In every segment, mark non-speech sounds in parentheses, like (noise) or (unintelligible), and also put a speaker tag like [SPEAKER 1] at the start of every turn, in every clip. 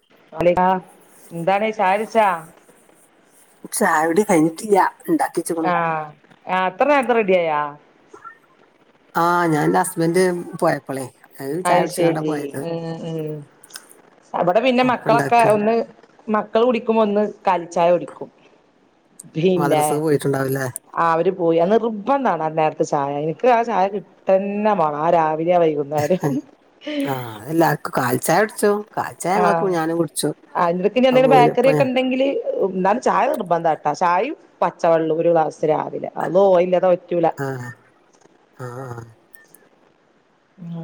[SPEAKER 1] (unintelligible) ൻന്താണ് ചായ കുടിച്ച?
[SPEAKER 2] ചായുടി കഴിഞ്ഞിട്ടില്ല ഇണ്ടാക്കിയെച്ച്ക്കുണു.
[SPEAKER 1] ആഹ് ആഹ് ഇത്ര നേര്ത്തെ റെഡിയായോ?
[SPEAKER 2] ആഹ് ഞാന്റെ ഹസ്ബൻ്റ് പോയപ്പളെ.
[SPEAKER 1] അയ് ശരി ഉഹ് ഉഹ് അവിടെ പിന്നെ
[SPEAKER 2] അപ്പ
[SPEAKER 1] മക്കളൊക്കെ
[SPEAKER 2] ഇണ്ടാക്കി
[SPEAKER 1] ഒന്ന് മക്കൾ കുടിക്കുമ്പോ ഒന്ന് കാലി ചായ കുടിക്കും. പിന്നെ
[SPEAKER 2] മദ്രസക്ക് പോയിട്ടുണ്ടാവുംല്ലേ
[SPEAKER 1] ആഹ് അവര് പോയി. അ നിർബന്ധാണ് ആ നേരത്തെ ചായ ഇൻക്ക് ആ ചായ കിട്ടന്നെ മാണം ആ രാവില വൈകുന്നേ
[SPEAKER 2] ആഹ് അതെല്ലാർക്കും കാലിചായ കുടിച്ചോ?
[SPEAKER 1] ആഹ്
[SPEAKER 2] അത്
[SPEAKER 1] അയിൻ്റടക്കിഞ്ഞെന്തെങ്കിലും ബേക്കറി
[SPEAKER 2] പോയപ്പോ
[SPEAKER 1] ഒക്കെ ഇണ്ടെങ്കില് അ് ഇന്നാലും ചായ നിർബന്ധാട്ടാ ചായിം പച്ചവെള്ളം ഒരു ഗ്ലാസ് രാവിലെ അള്ളോ അയില്ലാതെ പറ്റൂല.
[SPEAKER 2] ആഹ് ആഹഹ
[SPEAKER 1] ഉം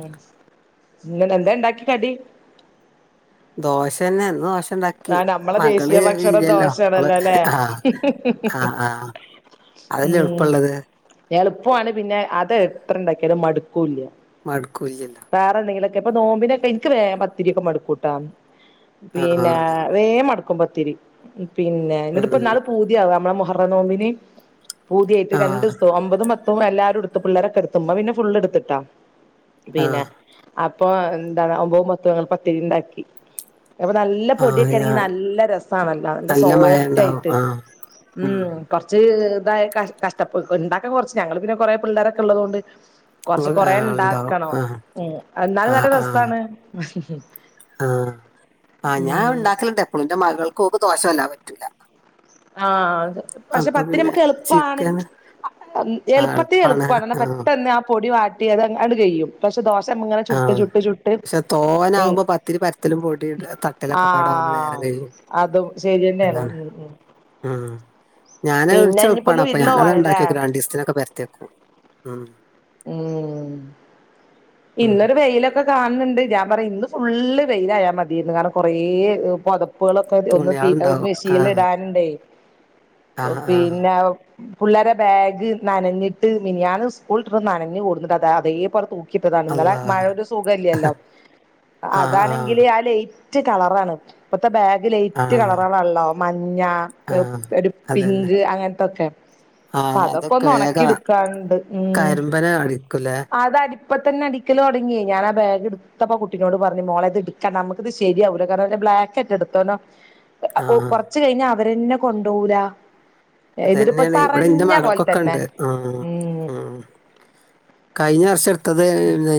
[SPEAKER 1] ഇങ്ങലെന്താ ഇണ്ടാക്കി കടി?
[SPEAKER 2] ദോശന്നെന്നോശ് ഉണ്ടാക്കി
[SPEAKER 1] ആ നമ്മളെ
[SPEAKER 2] മകള്
[SPEAKER 1] ദേശീയ ഭക്ഷണം
[SPEAKER 2] ഇല്ലല്ലോ ഓള്
[SPEAKER 1] ദോശയാണല്ലോ അല്ലെ
[SPEAKER 2] ക് ആഹ് ആഹ് ആഹ് അതല്ലേ
[SPEAKER 1] ഉം
[SPEAKER 2] എളുപ്പള്ളത്
[SPEAKER 1] എളുപ്പമാണ് പിന്നെ അത് എത്ര ണ്ടാക്കിയാലും മടുക്കൂല്ല്യ
[SPEAKER 2] മടുക്കുല്യ
[SPEAKER 1] വേറെ എന്തെങ്കിലുമൊക്കെ പ്പൊ നോമ്പിനൊക്കെ എനിക്ക് വേ പത്തിരിയൊക്കെ മടുക്കൂട്ടാ
[SPEAKER 2] ആഹ്
[SPEAKER 1] പിന്നെപ
[SPEAKER 2] അതന്നെ
[SPEAKER 1] വേ ഗം മടുക്കുപത്തിരി പിന്നെ ഇന്നി ട്ട്
[SPEAKER 2] ഉം
[SPEAKER 1] പ്പന്നാള് പൂതിയാക നമ്മളെ മുഹറ നോമ്പിന് പൂതിയായിട്ട് രണ്ട്
[SPEAKER 2] ആഹ്
[SPEAKER 1] ദിവസവും ഒമ്പതും പത്തും എല്ലാവാരും എടുത്ത് പിള്ളേരൊക്കെ എടുത്ത്പ പിന്നെ ഇമ്മ ഫുള്ളെടുത്തിട്ടാ പിന്നെ
[SPEAKER 2] ആഹ്
[SPEAKER 1] അപ്പൊ എന്താണ് ഒപ്പതും പത്തും പത്തിരി ണ്ടാക്കി അപ്പൊ നല്ല
[SPEAKER 2] ആഹ്
[SPEAKER 1] പൊടിയൊക്കെണാക്കിൽ
[SPEAKER 2] ഞാൻ
[SPEAKER 1] നല്ല രസാട്ട നല്ല
[SPEAKER 2] മഴ
[SPEAKER 1] സോഫ്റ്റ്
[SPEAKER 2] ഇണ്ടാവും
[SPEAKER 1] ആയിട്ട്
[SPEAKER 2] ആഹ്
[SPEAKER 1] ഉം കുറച്ച് ഇതായ ക കഷ്ട ഉണ്ടാക്ക കുറച്ച് ഞങ്ങള് പിന്നെ കൊറേ പിള്ളേരൊക്കെ ഉള്ളത്തോണ്ട് കൊറച്ച
[SPEAKER 2] ഇങ്ങള് ആഹ് ആളുണ്ടാവും
[SPEAKER 1] കൊറേണ്ടാക്കണം
[SPEAKER 2] ആഹ്
[SPEAKER 1] ന്നാലും
[SPEAKER 2] ആഹ്
[SPEAKER 1] നല്ല
[SPEAKER 2] ആഹ്
[SPEAKER 1] രസാണ്ഹ്
[SPEAKER 2] ആഹ് ആഹ് ഞാൻ ഉണ്ടാക്കലിണ്ട് എപ്പോളു ഇന്റെ മകൾക്ക്ഓള്ക്ക് ദോശ വല്ലാതെ പറ്റൂല
[SPEAKER 1] ആഹ പക്ഷെ
[SPEAKER 2] അപ്പൊ
[SPEAKER 1] പത്തിരി
[SPEAKER 2] പിന്നെ
[SPEAKER 1] നമുക്ക് എളുപ്പാണ്
[SPEAKER 2] ചിക്കൻ
[SPEAKER 1] എളുപ്പത്തെ
[SPEAKER 2] എളുപ്പാണ്
[SPEAKER 1] എളുപ്പമാണ് എന്ന
[SPEAKER 2] ആഹ്
[SPEAKER 1] പെട്ടന്നെ ആ പൊടി വാട്ടി അതാഎങ്ങന്ട് കെയ്യും പക്ഷെ ദോശ ഇങ്ങനെ ചുട്ട്
[SPEAKER 2] ആഹ്
[SPEAKER 1] ചുട്ട്
[SPEAKER 2] പക്ഷെ
[SPEAKER 1] ചുട്ട്ഉണ്
[SPEAKER 2] തോനാവുമ്പോ പത്തിരി പരത്തലും പൊടി ഇട-
[SPEAKER 1] ആ
[SPEAKER 2] തട്ടലൊക്കെ പാടാവുമ്പോ നേരം കഴിയും
[SPEAKER 1] അതും ശരി തന്നെണ്
[SPEAKER 2] അതാണ് ഉം ഞാൻ ഇച്ച് എളുപ്പാണ് അപ്പൊ
[SPEAKER 1] വിരുന്ന്
[SPEAKER 2] ഞാന അത് ണ്ടാക്കി
[SPEAKER 1] പോവാണല്ലേ
[SPEAKER 2] വക്കും രണ്ടണ്ട് ദവസത്തിനൊക്കെ പരത്തിവെക്കും ആ
[SPEAKER 1] ഉം
[SPEAKER 2] ഉം
[SPEAKER 1] ഇന്നരു വെയിലൊക്കെ കാണുന്നുണ്ട് ഇന്ന് ഫുള്ള് വെയിലായാൽ മതിയായിരുന്ന് കാരണം കുറേ പുതപ്പുകളും ഒ ഒന്ന്
[SPEAKER 2] തുണിയാള് ഉണ്ടാവും
[SPEAKER 1] മിശീല്
[SPEAKER 2] ആഹ്
[SPEAKER 1] ഇടാനുണ്ടേ
[SPEAKER 2] ആഹ് ആഹ്
[SPEAKER 1] പിന്നെ പുള്ളേരെ ബാഗ് നനഞ്ഞിട്ട് മിനിഞാന് സ്കൂളൾ വിട്ട് നനഞ്ഞു കൂടുന്നുട്ട്ത അതേപോലെ തു ഇനിപ്പോ തങ്ങാട്ട്
[SPEAKER 2] അള്ളാ
[SPEAKER 1] മഴ ഒരു സുഖമല്ലല്ലോ
[SPEAKER 2] ആഹ് ആഹ്
[SPEAKER 1] അതാണെങ്കില് ആ ലൈറ്റ് വൈറ്റ് കളറാണ് ഇപ്പത്തെ ബാഗ് ലൈറ്റ്
[SPEAKER 2] ആഹ്
[SPEAKER 1] കളറളള്ളോ മഞ്ഞ
[SPEAKER 2] ആഹ്
[SPEAKER 1] ഒരു
[SPEAKER 2] അതന്നെ
[SPEAKER 1] പിങ്ക് അങ്ങനത്തൊക്കെ പ്പ
[SPEAKER 2] ആഹ്
[SPEAKER 1] അതൊക്കെ ഒന്ന് ഉണക്കി
[SPEAKER 2] വേഗം
[SPEAKER 1] ടുക്കാണ്ട് ഉം
[SPEAKER 2] കരിമ്പന അടിക്കൂലേ
[SPEAKER 1] അതടീ- ഇപ്പതന്നെ അടിക്കാല് തുടങ്ങിയേ ഞാൻ ബാഗ് എടുത്തപ്പ കുട്ടിനോട് പറഞ്ഞു നമ്മക്ക് എടുക്കണ്ട നമുക്കത് ശരിയാകൂല്ല കാരണം ബ്ലാക്ക്അല്ലേ എടുത്തോനോ
[SPEAKER 2] (unintelligible)
[SPEAKER 1] അപ്പൊ കൊറച്ച് കഴിഞ്ഞ അവരന്നെ കൊണ്ടവൂല
[SPEAKER 2] അത് തന്നെയാണ് ഇവിടെ എന്റെ മകൾക്കൊക്കെ ഉണ്ട്ഉം ഉം കഴിഞ്ഞ വർഷം എടുത്തത്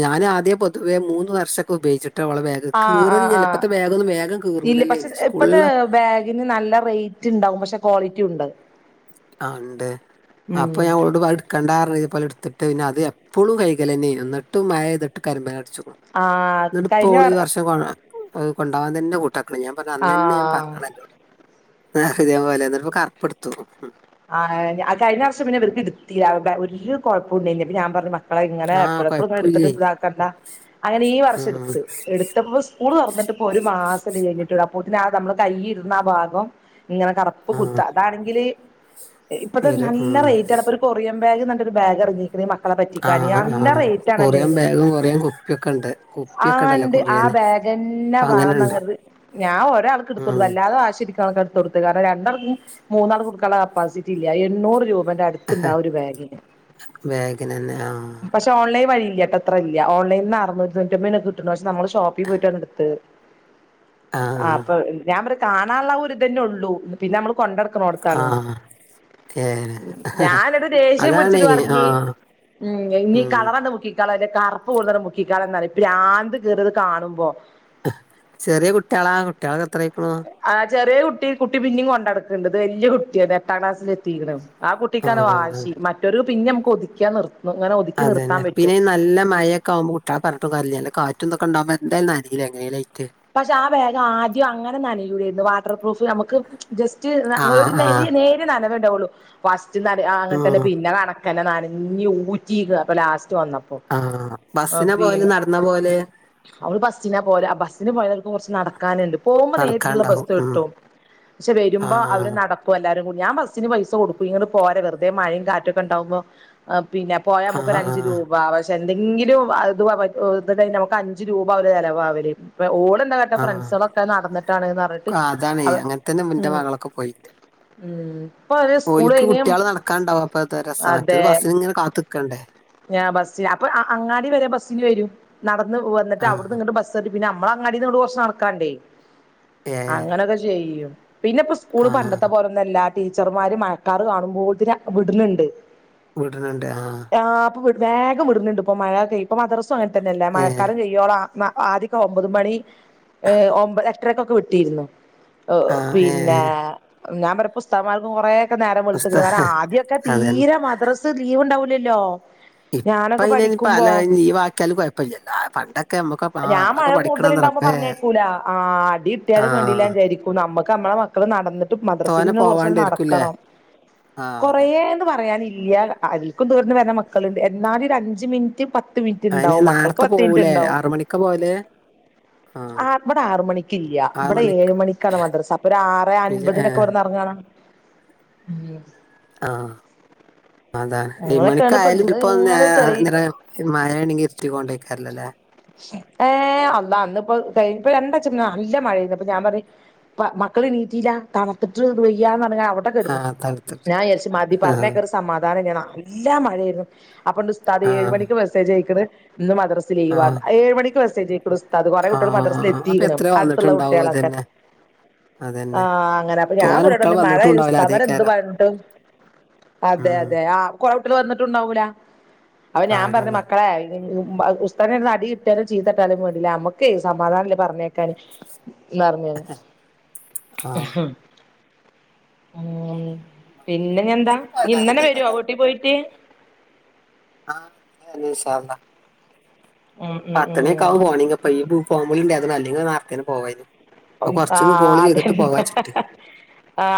[SPEAKER 2] ഞാൻ ആദ്യ പൊതുവെ മൂന്ന് വർഷൊക്കെ ഉപയോഗിച്ചിട്ട് ഓളെ ബാഗ്
[SPEAKER 1] ആഹ്
[SPEAKER 2] കീറ
[SPEAKER 1] ആഹ്
[SPEAKER 2] ലില്ലല്ലൊ
[SPEAKER 1] ആഹ്
[SPEAKER 2] ഇപ്പഴത്തെ വേഗൊന്നും വേഗം കീറൂലല്ലേ ഇനി സ്കൂളന്നാ
[SPEAKER 1] പിന്നേ നല്ല റേറ്റ് ഉണ്ടാവും പക്ഷെ ക്വാളിറ്റി ഉണ്ട്
[SPEAKER 2] ആ ഉണ്ട്
[SPEAKER 1] ഉം
[SPEAKER 2] അപ്പൊ ഞാൻ ഓളോട് പറായും ഇട്ക- ണ്ടാ പറഞ്ട്ട് എടുത്തിട്ട് കണ്ട പിന്നെ അത് എപ്പോഴും വൈ കലന്നെയ എന്നിട്ടും മയ പെയ്യത്ട്ട് കരിമ്പന അടിച്ചുണ്
[SPEAKER 1] ആഹ്
[SPEAKER 2] ന്നട്ട്പ്പൊ
[SPEAKER 1] കഴിഞ്ഞ
[SPEAKER 2] ഓള് ഈ വർഷംവാങ്ങ അത് കൊണ്ടവാൻ തന്നെ കൂട്ടാക്കണ്ല്ല്യ ഞാൻ പറഞ്ഞ അന്ന്ന്നെ ഞാൻ
[SPEAKER 1] ആഹ്
[SPEAKER 2] പറഞ്ഞാണ് അന്നോടെ ഇതേപോലേ എന്നട്ട് ഇപ്പോ കറുപ്പടുത്തു
[SPEAKER 1] ആഹ് അ കഴിഞ്ഞ വർഷം പിന്നെ ഇവർക്ക് ഇടുത്തില്ലാ ഒരു കുഴപ്പുണ്ടെല്ല്യ ഞാൻ പറഞ്ഞുമാ ആ ഇങ്ങനെ എപ്പഴെപ്പോഴും ഇങ്ങന എടുത്തിട്ട് ഇതാക്കണ്ട അങ്ങനെ ഈ വർഷ
[SPEAKER 2] ഉം
[SPEAKER 1] എടുത്ത് എടുത്തപ്പോ സ് സ്കൂൾ തുറന്നിട്ട് ഇപ്പൊ ഒരു മാസലെ കഴിഞ്ഞിട്ടള്ളൂ അപ്പത്തിന് നമ്മള് കൈയിരുന്ന ആ ഭാഗം ങ്ങനെ കറുപ്പ്
[SPEAKER 2] ആ
[SPEAKER 1] കുത്ത അതാണെങ്കില് ഇപ്പഴത്തെ
[SPEAKER 2] വരും
[SPEAKER 1] നല്ല
[SPEAKER 2] ഉം
[SPEAKER 1] റേറ്റ് ആണ് അപ്പൊ ഒരു കൊറിയൻ ബാഗ് നല്ലൊരു ബാഗ് ഇറങ്ങിക്ക്‌ണ് മക്- ആ ളെ പറ്റിക്കാന്
[SPEAKER 2] ആഹ്
[SPEAKER 1] നല്ല
[SPEAKER 2] ആഹ്
[SPEAKER 1] റേറ്റ ആണല്ലേ
[SPEAKER 2] കൊറിയൻ
[SPEAKER 1] അയിന്
[SPEAKER 2] ബാഗും കൊറിയൻ കുപ്പിയൊക്കെ ഉണ്ട് കുപ്പിയൊക്കെ
[SPEAKER 1] ആഹാ
[SPEAKER 2] ഉണ്ടല്ലോ
[SPEAKER 1] ഇണ്ട് ആ
[SPEAKER 2] കൊറിയന്
[SPEAKER 1] ബാഗ്- തന്നെ
[SPEAKER 2] അപ്പൊ അങ്ങനെണ്ട്
[SPEAKER 1] വേണതങ്ങട്ട് ഞാൻ ഒരാൾക്ക്
[SPEAKER 2] ഉം
[SPEAKER 1] എടുത്തോളു അല്ലാതെവാശിപി- ഒരാൾ എടുത്ത് കൊടുത്ത് കാരണം രണ്ടാക്ക മൂന്നാള്ക്ക്‌ കൊടുക്കാനുള്ള കപ്പാസിറ്റി ഇല്ല എണ്ണൂറ് രൂപന്റെ അടു ത്ണ്ടാവും ഒരു ബാഗിന്
[SPEAKER 2] ബാഗിനന്നെ ആഹ്
[SPEAKER 1] പക്ഷ ഓൺല് വഴിയില്ലട്ടോത്രല്ല ഓൺലൈൽന്ന് അറൂന്നുറ്റിതോണുറ്റിയാപ്പോന് കിട്ടുണ്ട് പക്ഷ നമ്മള് ഷോപ്പിൽ പോയിട്ടാണ് എടുത്ത്ട്ട് ആഹ് പ്പ ഞാൻ പറിം കാണാള്ള ആ ഒര് ഇതെന്നെ ഒള്ളൂ പിന്നെ നമ്മള് കൊണ്ടട്ക്ക്ണോട്താണ്
[SPEAKER 2] ആഹ് ഏഹ്
[SPEAKER 1] ഞാൻ ന്ന്ട്ട് ദേഷ്യം
[SPEAKER 2] അതാണ്
[SPEAKER 1] പിടിച്ചിട്ട് പറഞ്ഞ്
[SPEAKER 2] ആഹ്
[SPEAKER 1] ഉം ഇഞ്ഞ്
[SPEAKER 2] ഉം
[SPEAKER 1] കളറണ്ട് മുക്കി ക്കാള അന്റെ കർപ്പ് കൂടുതല് മുക്കിക്കാള എന്ന് പറയും ദ്രാന്ത് കേറ ഇത് കാണുമ്പോ
[SPEAKER 2] ചെറിയ കുട്ട്യളാ കുട്ട്യളൊക്കെ എത്രായ്ക്ക്ണു
[SPEAKER 1] ആഹ് ചെറിയ കുട്ടി കുട്ടി പിന്നീം കൊണ്ടട്ക്ക്ണ്ട് ഇത് വലിയ കുട്ടിയാ ഇത് എട്ടാം ക്ലാസിൽ എത്തിക്ക്ണു ആ കുട്ടിക്കാണ്
[SPEAKER 2] ആഹ് അതാണ്
[SPEAKER 1] വാശി മറ്റൊരു പിന്നിം നമുക്ക് ഒതുക്കിയാ നിർ
[SPEAKER 2] അതെന്നെ പിന്നെ നല്ല മഴ ഒക്കെ ആവുമ്പോ കു ട്ട്യളെ പറഞ്ഞിട്ടും കാര്യല്ലല്ലോ കാറ്റും തൊക്കെണ്ടവുമ്പോ എന്തായാലും നനീലെ എങ്ങനേലും ആയിട്ട്
[SPEAKER 1] പക്ഷെ ആ ബേഗ് ആദ്യം അങ്ങനെ നനയൂലേന്നു വാട്ടർ പ്രൂഫ് അമ്മ ക്ക് ജസ്റ്റ്
[SPEAKER 2] ആഹ്
[SPEAKER 1] ഒരു നെരി
[SPEAKER 2] ആഹ്
[SPEAKER 1] നേരിയ നനവേ ഇണ്ടാവൊള്ളു ഫസ്റ്റ് ന ആ അങ്ങനെ തന്നെ
[SPEAKER 2] ഉം
[SPEAKER 1] പിന്നെ കണ ഇങ്ങനെ നനഞ്ഞ് ഊറ്റിക്ക്ണ് അപ്പൊ ലാസ്റ്റ് വന്നപ്പോ
[SPEAKER 2] ആഹ്
[SPEAKER 1] ആഹ്
[SPEAKER 2] ബസ്സിനാ പോവല്
[SPEAKER 1] പിന്നെ
[SPEAKER 2] നടന്നാ പോവല്
[SPEAKER 1] അവള് ബസിനാ പോവല് ആ ബ സിന് പോയോൽക്കും കൊർച്ച് നടക്കാന്ണ്ട് പോവുമ്പ നേരിട്ട്ട്ട്ള്ള
[SPEAKER 2] നടക്കാണ്ടാവും
[SPEAKER 1] ബസ്സ്
[SPEAKER 2] ഉം
[SPEAKER 1] കിട്ടും പക്ഷെ വരുമ്പോ അവര്
[SPEAKER 2] ആഹ്
[SPEAKER 1] നട ക്കും എല്ലാരും കൂടി ഞാൻ ബസിന് പൈസ കൊട്ക്കും ഇങ്ങട്ട് പോര് വെറുതെ മഴിം കാറ്റൊക്കെ ഇണ്ടാവുമ്പോ പിന്നെ പോയാ അമ്മക്ക് ഒര
[SPEAKER 2] ആഹ്
[SPEAKER 1] അഞ്ച്
[SPEAKER 2] ആഹ്
[SPEAKER 1] രൂപ പക്ഷെ എന്തെങ്കിലും അതുവ പ ഇത് കഴി നമ്മക്ക് അഞ്ച് രൂപ ആവൂല ചെലവാവല് അപ്പ ഓളെന്താ കാട്ട
[SPEAKER 2] ആഹ്
[SPEAKER 1] ഫ്രണ്ട്സളൊക്കെ നടന്നിട്ടാണ്ന്ന് പറഞ്ഞിട്ട്
[SPEAKER 2] ആ, അതാണ്
[SPEAKER 1] അവ
[SPEAKER 2] അങ്ങനത്തന്നെ എന്റെ
[SPEAKER 1] ഉം
[SPEAKER 2] മകളൊക്കെ പോയിണ്ട്
[SPEAKER 1] ഉം ഇപ്പൊ അവര് സ്കൂള്
[SPEAKER 2] ഓൽക്ക്
[SPEAKER 1] കഴിഞ്ഞ്
[SPEAKER 2] കുട്ടികള് നടക്കാണ്ടാവും
[SPEAKER 1] അതെ
[SPEAKER 2] ക്കണ്ടേ
[SPEAKER 1] ഞാ ബസ്സി അപ്പൊ അങ്ങാടി വരെ ബസ്സിന് വരും നടന്ന് വന്ന്ട്ട്
[SPEAKER 2] ആ
[SPEAKER 1] അവിട്ന്ന് ഇങ്ങട്ട് ബസ്സ് സ്സെറങ്ങി പിന്നെ അമ്മളെ അങ്ങാടിന്ന് അവിട്ന്ന് കൊറച്ച് നടക്കാണ്ടേ
[SPEAKER 2] ഏ
[SPEAKER 1] അങ്ങനൊക്കെ ചെയ്യും പിന്നെ പ്പ സ്
[SPEAKER 2] ആ
[SPEAKER 1] കൂള് പണ്ടത്തെ പോലൊന്നും അല്ലാ ടീച്ചർമാര് മഴക്കാർ കാണുമ്പോത്തിന് വിട്ണ് ണ്ട്
[SPEAKER 2] വിട്ണ് ണ്ട് ആഹ്
[SPEAKER 1] ആഹ് പ്പം വിട് വേഗം വിട്ണ് ണ്ട് ഇപ്പ മഴ ഇപ്പം മദ്രസും അങ്ങനെതന്നെയല്ല
[SPEAKER 2] ഏ
[SPEAKER 1] മഴക്കാലം കഴി യോളം ആദ്യൊക്കെ ഒമ്പത് മണി ഏ ഒമ്പത് എട്ടരക്കൊക്കെ വിട്ടിരുന്നു
[SPEAKER 2] ആ ഏ
[SPEAKER 1] പിന്നെ ഞാൻ പറി ഇപ്പ ഉസ്താദ്മാരൊക്കെ കൊറേ ക്കെ നേരം
[SPEAKER 2] ഉസ്താ
[SPEAKER 1] വെള്ത്ത്ക്ക്ണ് കാരണം ആദ്യൊക്കെ
[SPEAKER 2] അതന്നെ
[SPEAKER 1] തീരെ മദ്രസ് ലീവ് ഉണ്ടാവൂലല്ലോ
[SPEAKER 2] ഇപ്പ
[SPEAKER 1] ഞാനൊക്കെ
[SPEAKER 2] അയിനയിന് പല
[SPEAKER 1] പഠിക്കുമ്പോ
[SPEAKER 2] ലീവ് ആക്കിയാലും കൊഴപ്പല്ലല്ലോ പണ്ടൊക്കെ അമ്മക്ക് നമ്മളൊക്കെ പഠിക്ക്ണന്ന് റബ്ബേ
[SPEAKER 1] ക്കൂല ആഹ് അടി
[SPEAKER 2] ആ
[SPEAKER 1] കിട്ടിയാലും വേണ്ടില്ലാന്ന് വിചാരിക്കും നമ്മക്ക് നമ്മടെ മ ക്കള് നടന്ന്ട്ട് മദ്രസക്ക്
[SPEAKER 2] തോനെ
[SPEAKER 1] പിന്നെ കൊറച്ചട്ട്
[SPEAKER 2] പോവാണ്ടായിരിക്കുംല്ലേ
[SPEAKER 1] നടക്കണം
[SPEAKER 2] ആ
[SPEAKER 1] കൊറേ
[SPEAKER 2] അതാണ്
[SPEAKER 1] ന്ന് പറയാനില്ല അതിൽക്കും ദൂരന്ന് വര്ന്ന മക്കള്ണ്ട് എന്നാലും ഒരു അഞ്ചു മിനിറ്റ് പ ത്ത് മിനിറ്റ്
[SPEAKER 2] അതിന്
[SPEAKER 1] ഇണ്ടാവും മക്കൾക്ക്
[SPEAKER 2] നേരത്തെ
[SPEAKER 1] പത്ത് മിനിറ്റ്
[SPEAKER 2] പോവൂലേ
[SPEAKER 1] ഇണ്ടാവും
[SPEAKER 2] ആറ് മണിക്കാ പോവല് ആ
[SPEAKER 1] ആഹ് ഇവടെ ആറ് മണിക്ക് ഇല്ല
[SPEAKER 2] ആറ്
[SPEAKER 1] ഇവിടെ ഏഴ്
[SPEAKER 2] മണിക്ക്
[SPEAKER 1] മണിക്കാണ് മദ്രസ അപ്പൊ ഒരു ആറെ
[SPEAKER 2] ഏ
[SPEAKER 1] അൻപതിനൊക്കെ ഇവിടെന്ന് എറങ്ങാണ്
[SPEAKER 2] (unintelligible)
[SPEAKER 1] മിയട്സ്
[SPEAKER 2] ആഹ് അതാണ് ഏഴ്
[SPEAKER 1] അങ്ങനൊക്കെയാണ്
[SPEAKER 2] മണിക്കായാലും
[SPEAKER 1] ഇന്ന്
[SPEAKER 2] ഇപ്പൊ ഒന്നേ
[SPEAKER 1] ഇങ്ങനെ ഒരു തെളി
[SPEAKER 2] ഇങ്ങനെ മഴയാണെങ്കിൽ ഇര്ട്ടി കോണ്ട് എയ്ക്കാരല്ലോലേ
[SPEAKER 1] ഏഹ് അള്ളാ അന്ന് ഇപ്പോ ഇപ്പൊ രണ്ടാഴ്ച കൊണ്ട് നല്ല മഴയെത് അപ്പൊ ഞാൻ പറഞ്ഞ് മക്കള്എണീറ്റീല്ല തണ്ത്തിട്ട് വെയ്യാന്ന് പറഞ്ഞ് അവിടെ
[SPEAKER 2] ആ
[SPEAKER 1] കെടന്ന്
[SPEAKER 2] തണുത്തിട്ട്
[SPEAKER 1] ഞാൻ വിചാരിച്ചു മതി
[SPEAKER 2] ആ
[SPEAKER 1] പറഞ്ഞെയ്ക്കാൻ ഒരു സ സമാധാനം ഇല്ല നല്ല മഴയായിരുന്നു അപ്പണ്ട് ഉസ്താദ്
[SPEAKER 2] ആ
[SPEAKER 1] ഏഴ് മണിക്ക് മെസ്സേജ് അയക്ക്ണ് ഇന്ന് മദ്ര സ്
[SPEAKER 2] ആ
[SPEAKER 1] ലീവിന്ന് അ ഏഴ് മണിക്ക് മെസേജ് അയക്ക്ണ് ഉസ് ദാത് കൊറേ
[SPEAKER 2] ആ
[SPEAKER 1] കുട്ട്യള് മദ്രസ്ൽ
[SPEAKER 2] അപ്പൊ
[SPEAKER 1] എത്തിക്ക്ണ്
[SPEAKER 2] എത്ര
[SPEAKER 1] അട്ത്തുള്ള
[SPEAKER 2] വന്നിട്ടുണ്ടാവും
[SPEAKER 1] കുട്ട്യളൊക്കെ
[SPEAKER 2] അതന്നെ അതന്നെ
[SPEAKER 1] ആഹ് അങ്ങനെ അപ്പൊ ഞാൻ
[SPEAKER 2] തോന
[SPEAKER 1] ഇവരോട്
[SPEAKER 2] കുട്ടികൾ
[SPEAKER 1] പറഞ്ഞു
[SPEAKER 2] വന്നിട്ടും
[SPEAKER 1] മഴയാണ്
[SPEAKER 2] ഉണ്ടാവില്ല
[SPEAKER 1] ഉസ്താദ്
[SPEAKER 2] അതേ
[SPEAKER 1] മാര് എന്ത്
[SPEAKER 2] കാരം
[SPEAKER 1] പറഞ്ഞിട്ടും അതെ
[SPEAKER 2] ഉം
[SPEAKER 1] അതെ ആ കൊറേ കുട്ട്യള് വന്നിട്ടുണ്ടാവൂല അപ്പൊ
[SPEAKER 2] ആ
[SPEAKER 1] ഞാൻ പറഞ്ഞ്
[SPEAKER 2] അതാണ്
[SPEAKER 1] മക്കളെ ഉസ്താദ്ൻ്റെട്ത്ത്ന്ന് അടി കിട്ടിയാലും ചീത്തട്ടാലും വേണ്ടില്ല അമ്മക്ക് സമാധാനല്ല പറഞ്ഞേക്കാന് ന്നർഞ്ഞ്
[SPEAKER 2] ആ
[SPEAKER 1] അങ്ങനെ
[SPEAKER 2] അതാണ്. മഴ
[SPEAKER 1] പിന്നെഞ്ഞെന്താ
[SPEAKER 2] ഇതൊന്നും
[SPEAKER 1] ഇഞ്ഞ് ഇന്നെനെ വരോ
[SPEAKER 2] കൊല്ലാതില്ലല്ലേ
[SPEAKER 1] വീട്ടി പോയിട്ട്
[SPEAKER 2] ആഹ് ഇന്നെനെ വര്നം ഇൻഷാഹ് അള്ളാ
[SPEAKER 1] ഉം ഉം
[SPEAKER 2] പത്തെണി ഒക്കെ
[SPEAKER 1] ഉം
[SPEAKER 2] ആവും പോവണെങ്കിപ്പ ഈ ഫോൺ വിളിണ്ടായതോണ്ടാ അല്ലെങ്കി നേരത്തെന്നെ പോവേനി
[SPEAKER 1] ആഹ് അതെന്നെ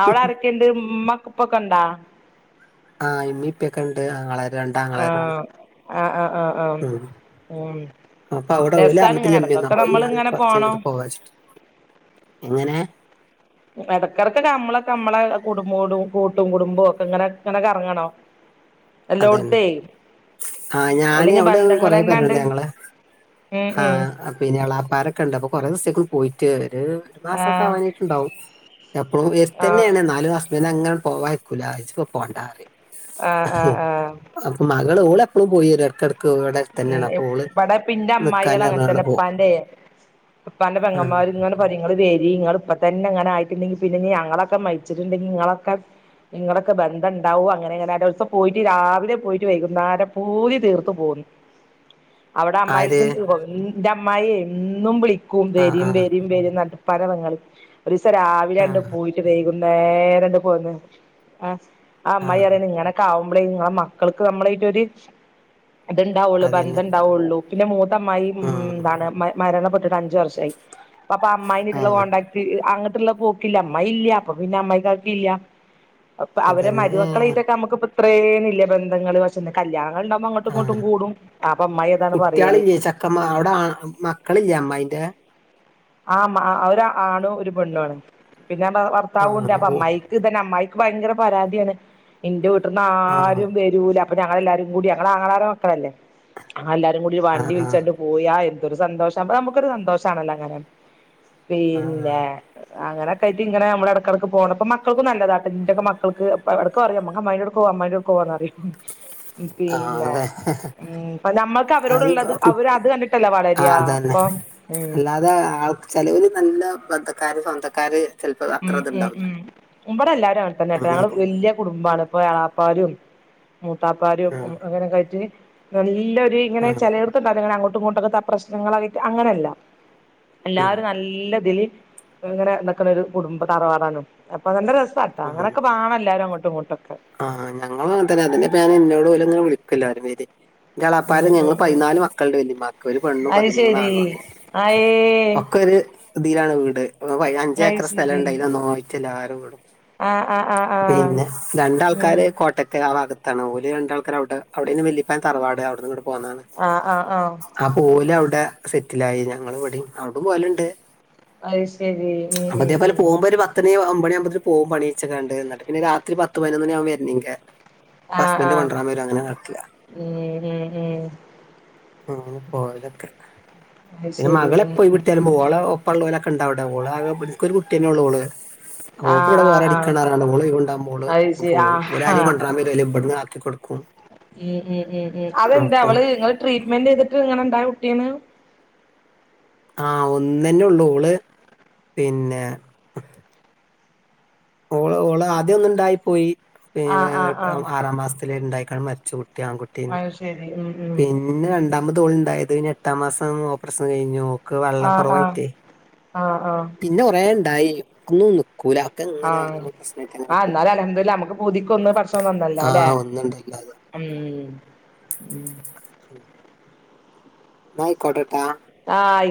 [SPEAKER 1] അവ്ടെ ആരൊക്കെ ഇണ്ട് ഇമ്മ ഇപ്പൊക്കെ ഇണ്ടാ
[SPEAKER 2] ആഹ് ഉമ്മീ ഉപ്പൊക്കെ ഉണ്ട് ആങ്ങളാര് രണ്ട്
[SPEAKER 1] ആ
[SPEAKER 2] ആങ്ങളരുണ്
[SPEAKER 1] ആ ആ ആ ആ
[SPEAKER 2] ഉണ്ട്
[SPEAKER 1] ഉം
[SPEAKER 2] പ്പവിടെ
[SPEAKER 1] രസാണ് ഇങ്ങനെ
[SPEAKER 2] ഓലറിഞ്ഞിട്ടില്ല അമ്പ്യാ
[SPEAKER 1] ഇടക്കൊക്കെ
[SPEAKER 2] അപ്പ
[SPEAKER 1] നമ്മള്
[SPEAKER 2] ഞാന്
[SPEAKER 1] ഇങ്ങനെ
[SPEAKER 2] കൊറച്ച്
[SPEAKER 1] പോണം
[SPEAKER 2] കഴിഞ്ഞിട്ട് പോവാച്ചിട്ട് എങ്ങനെ?
[SPEAKER 1] ഇടക്കിടക്കെ നമ്മളെക്കമ്മളെ കുടുംബോടും കൂട്ടം കുടുമ്പോക്കെങ്ങനെ ങ്ങനെക്കറങ്ങ ണോ എല്ലോട്ത്തെ?
[SPEAKER 2] ആഹ് ഞാന് അവിടെ കൊറെ
[SPEAKER 1] തന്നെണ്ട്
[SPEAKER 2] ബന്ധണ്ട് ഞങ്ങളെ
[SPEAKER 1] ഉം ഉം
[SPEAKER 2] ആഹ എളാപ്പാരൊക്കെണ്ട് അപ്പൊ കൊറേ സേക്കും പോയിട്ട് ഒര്
[SPEAKER 1] ആ
[SPEAKER 2] മാസൊക്കാവാനായിട്ടുണ്ടാവും എപ്പോഴും
[SPEAKER 1] ആ
[SPEAKER 2] വെര്ത്തന്നെയാണ് ന്നാലും അസ്ബന്റങ്ങനെ പോവാനയ്‌ ആഹ് ജ്പ്പൊ പോണ്ടാറിം
[SPEAKER 1] ആഹ് ആഹ് ആഹ്
[SPEAKER 2] അവട്ക്ക് മകള് ഓളപ്പളും പോയെരും ഇടക്കെട്
[SPEAKER 1] ഉംഹ് വടെപ്പിന്റെ അമ്മായള്
[SPEAKER 2] നിക്കാന് പറഞ്ഞവിടെ
[SPEAKER 1] അങ്ങൻത്തന്നെ
[SPEAKER 2] പോകും
[SPEAKER 1] പ്പാന്റെ പ്പാന്റെ
[SPEAKER 2] ഉം.
[SPEAKER 1] പെങ്ങന്മാര് ങ്ങെ ങ്ങള് വെരിങ്ങള് പ്പത്തന്നെങ്ങനായിട്ട് ണ്ടെങ്കിപിന്നെ നി ഞങ്ങളൊക്കെ മരിച്ചിട്ടുണ്ടെങ്കിൽ ങ്ങളൊക്കെ നിങ്ങളൊക്കെ ബന്ധുണ്ടാവുമോ ഇങ്ങളൊക്കെ ബന്ധണ്ടാവൊങ്ങനെ അങ്ങനെ ദെവസം പോയിട്ട് രാവിലെ പോയിട്ട് വൈകുന്നേരം പൂതി തീർത്തു പോന്നു അവിടെ
[SPEAKER 2] ആര്
[SPEAKER 1] അമ്മായിറ്റ്ന്റെ ന്റെ അമ്മായെ എന്നും വിളിക്കും
[SPEAKER 2] ആ ആ
[SPEAKER 1] വേരീം വേരീം വേരീം ന്നറിഞ്ഞിട്ട് പരവെങ്ങളിൽ ഒരുസം
[SPEAKER 2] ആ
[SPEAKER 1] രാവിലാണ്ട് പോയി വൈകുന്നേരണ്ട് പോന്ന് ആ ഹ്
[SPEAKER 2] ആ
[SPEAKER 1] ആമ്മായറിയാണ് ഇങ്ങനെ- ക്കാവ്ബ്ലെ ങ്ങളെ മക്കൾക്ക് മ്മളായിട്ട് ഒരു ഇത്ണ്ടാവുള്ളു
[SPEAKER 2] അതന്നെ
[SPEAKER 1] ബന്ധം ഉണ്ടാവുള്ളൂ മൂത്തമ്മായി
[SPEAKER 2] ഉം
[SPEAKER 1] എന്താണ് മരണപ്പെട്ടിട്ട് അഞ്ച വർഷായി അപ്പപ്പൊ
[SPEAKER 2] ആ
[SPEAKER 1] മ്മായിന്റെീറ്റുള്ള കോൺടാക്ട് അങ്ങോട്ടുള്ള പോക്കില്ല അമ്മായില്ല അപ്പൊ പിന്നെ അമ്മായിക്കാക്കെല്ല അവരെ
[SPEAKER 2] അതന്നെ
[SPEAKER 1] മരുക്കളായിട്ടമ്മക്ക് ഇത്രേന്നി ല്ലേ ബന്ധങ്ങള് ക്ഷെ കല്യാണങ്ങൾണ്ടാവുമ്പോ അങ്ങോ
[SPEAKER 2] ആ
[SPEAKER 1] പ്പംങ്ങോട്ടും കൂടും അപ്പ അമ്മായതാണ് പറയല്
[SPEAKER 2] ചെക്കമാ അവ്‌ടാ മക്കളില്ലേ അമ്മായിന്റെ
[SPEAKER 1] ആ മ്മാ ഒരാണും ഒരു പെണ്ണാണ് പിന്നെ ഭർത്താവുണ്ട്
[SPEAKER 2] ആഹ് ഓ
[SPEAKER 1] അപ്പൊമ്മായി ക്ക്തന്നെ അമ്മായിക്ക് ഭയങ്കര പരാതിയാണ് എന്റെ വീട്ട്ന്ന്
[SPEAKER 2] ആഹ്
[SPEAKER 1] ആരുംവെര് ലാ പ്പഞങ്ങളെല്ലാരും കൂടി ഞങ്ങളാങ്ങ ളാരെ മക്കളല്ലേ എല്ലാരും കൂടി വണ്ടി
[SPEAKER 2] ആഹ് ആഹ്
[SPEAKER 1] വിളിചാണ്ട് പോയാന്തൊരു സന്തോഷമുക്കൊരു സന്തോഷമാണല്ലോ അങ്ങനെ
[SPEAKER 2] ആഹ്
[SPEAKER 1] പിന്നെ
[SPEAKER 2] ആഹ്
[SPEAKER 1] അങ്ങനൊക്കായിട്ട് ഇങ്ങന നമ്മളടക്ക് ടക്ക് പോന്നപ്പൊ മക്കൾക്കും നല്ലതാട്ടോ ന്റൊക്കെ മക്കൾക്ക് മ്മക്ക് അമ്മായിന്റൊടുക്കോവ അമ്മായിന്റോടുക്കോവന്നറിയും ഹ് ഹ്
[SPEAKER 2] ആഹ്
[SPEAKER 1] പിന്നെ
[SPEAKER 2] അതെ
[SPEAKER 1] ഉംഹ് പ് നമ്മക്ക് അവരോടുള്ളത് അവരത് കണ്ട്
[SPEAKER 2] ആതന്നെ അല്ലാതെ ആൾ ചെലോര് നല്ല ബന്ധക്കാര് സ്വന്തക്കാര് ചെലപ്പോ അത്ര
[SPEAKER 1] ഉംഹ് ഉം ഹ്
[SPEAKER 2] ഇത്ണ്ടാവൂല
[SPEAKER 1] ഉം ഹ് മ്പടെ എല്ലാരും അങ്ങൻതന്നെട്ടോ ങ്ങള്
[SPEAKER 2] അങ്ങനെയൊക്കെ
[SPEAKER 1] വെല്യ കുടുംബാണ് ഇപ്പ ളാപ്പാരും മൂത്താപ്പാരും
[SPEAKER 2] ആഹ്
[SPEAKER 1] അങ്ങനൊക്കായിട്ട് നല്ലൊരു ഇങ്ങനെ
[SPEAKER 2] ആഹ്
[SPEAKER 1] ചെലർ പ്പെന്താറിയൊ ഞങ്ങളങ്ങോട്ടും ഇങ്ങോട്ടൊത്താ പ്രശ്നങ്ങളായിട്ട് അങ്ങനെല്ലാ
[SPEAKER 2] ഉം
[SPEAKER 1] എല്ലാരും നല്ല ഇതില് ഇങ്ങനെ നിക്കണൊരു കുടുംബ തറവാടാണ്‌ അപ്പൊ നല്ല രസാണ് അങ്ങനൊക്കെ ബാണല്ലാരും അങ്ങോട്ടും ഇങ്ങോട്ടൊക്കെ
[SPEAKER 2] ആ ഞങ്ങളങ്ങൻ ത്തന്നെ അതിന്റെപേ എന്നോട് ഓലും വിളിയ്ക്കെല്ലാരും വെരി
[SPEAKER 1] ഉം
[SPEAKER 2] ന്റെളാപ്പാരും ഞങ്ങൾ
[SPEAKER 1] ഉം ഉം
[SPEAKER 2] പയിനാല് മക്കളുണ്ട് വെല്ലിമാക്ക് ഒരു പെണ്ണും
[SPEAKER 1] അത്
[SPEAKER 2] പതിമൂന്നു
[SPEAKER 1] ശരി
[SPEAKER 2] ആണ
[SPEAKER 1] ആയേ
[SPEAKER 2] ഒക്കെര് തിലാണ് വീട് പ്പ
[SPEAKER 1] അത്
[SPEAKER 2] അഞ്ചേക്കർ
[SPEAKER 1] ശരി
[SPEAKER 2] സ്ഥലണ്ടേനോയിറ്റ് എല്ലാരും വീടും
[SPEAKER 1] ആഹ് ആഹ് ആഹ് ആഹ്
[SPEAKER 2] പിന്നെ
[SPEAKER 1] ഉം
[SPEAKER 2] രണ്ടാൾക്കാര് കോട്ടക്കലാഭാഗ ഓല് രണ്ടാൾക്കാരവ്ടെ അവിടെേണ് വെല്ലിപ്പാന്റെ തറവാട് അവിടെന്നിങ്ങ ട് പോന്നാണ്
[SPEAKER 1] ആഹ് ആഹ് ആഹ്
[SPEAKER 2] ഓലവ്ടെ സെറ്റിലായി ഞങ്ങളിവ്‌ടെയും അവ്‌ടും പോവല്ണ്ട്
[SPEAKER 1] അത് ശരി ഉംഹ് ഉംഹ് ഉംഹ്
[SPEAKER 2] ത്തണി ഒമ്പണിയാകുമ്പേത്തെ പോം പണി അയച്ങ്ങാണ്ട് ന്ട്ട് പിന്നെ രാത്രി പത്ത്പതിനൊന്ന്മണിയാകും വെര്ന്ന് ങ്കെ
[SPEAKER 1] ആഹ്
[SPEAKER 2] ഹസ്ബന്റ്
[SPEAKER 1] ആഹ്
[SPEAKER 2] കൊണ്ട്രാൻ വരും അങ്ങനെ നടക്കില്ല
[SPEAKER 1] ഉം ഉം ഉം
[SPEAKER 2] അങ്ങനെ പോവാലൊക്കെണ്ട്
[SPEAKER 1] അത്
[SPEAKER 2] പിന്നെ
[SPEAKER 1] ശരി
[SPEAKER 2] മകളെ പോയി വിട്ടാലും മോള് ഒപ്പ ഉള്ളവലൊക്കെ ഉണ്ടാവിടെ മോള എനിക്കൊരു കുട്ടി തന്നെഉള് ഒക്ക് ഇവിടെ
[SPEAKER 1] ആഹ്
[SPEAKER 2] ബോറ
[SPEAKER 1] ആഹ് ആഹ്
[SPEAKER 2] അടിക്കറോൾ ഓള് ഒഴിവുണ്ടകുമ്പോള്
[SPEAKER 1] അത് ശരി
[SPEAKER 2] പോവും ഓളെ
[SPEAKER 1] ആഹാ
[SPEAKER 2] അരും കൊണ്ട അത് കയിഞ്ഞ് ഇബിഡിന്ന് ആക്കി കൊടക്കും
[SPEAKER 1] അതെന്താ അവള് നിങ്ങള് ട്രീറ്റ്മെന്റ് ചെയ്തിട്ട് ഇങ്ങനെ ഇണ്ടായ കുട്ടീന്
[SPEAKER 2] ആഹ ഒന്നന്നെ ഉള്ളൂ ഒള് പിന്നെ ഓള് ഓള് ആദ്യം ഒന്ന ഉണ്ടായിപ്പോയി
[SPEAKER 1] ആഹ് ആഹ് ആഹ്
[SPEAKER 2] ആറാം മാസത്തില ഉണ്ടായിക്കണ്ട് മരി ച്ചകുട്ടി ആൺകുട്ടിയെനും
[SPEAKER 1] അത് ശരി ഉം ഉം
[SPEAKER 2] പിന്നെ പിന്നെ രണ്ടാമത് ഓള് ഉണ്ടായത് പിന്നെ എട്ടാം മാസം ഓപ്പറേഷൻ കഴിഞ്ഞു ഓക്ക്
[SPEAKER 1] ആഹ ആഹ
[SPEAKER 2] വെള്ളക്കൊറവായിട്ടേ.
[SPEAKER 1] ആഹ് ആഹ
[SPEAKER 2] പിന്നെ കൊറെ ഉണ്ടായി ക്കുണ്
[SPEAKER 1] ആഹ ആ
[SPEAKER 2] പോകും.
[SPEAKER 1] എന്നാലും അൽ ഹദില്ല നമ്മുക്ക് പുതിക്കൊന്ന് പടച്ചോൻ തന്നല്ലോ അല്ലെ
[SPEAKER 2] ആഹ് ഒന്നുണ്ടായില്ലാതെ.
[SPEAKER 1] ഉം ഉം
[SPEAKER 2] ഉം ന്നായി കൊടെ ട്ടാ
[SPEAKER 1] ആഹ ആയി